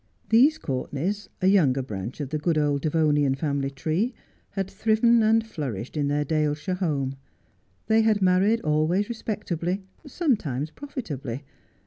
These Courtenays, a younger branch of a good old Devonian family tree, had thriven and flourished in their Dale shire home. They had married always respectably, sometimes profitably.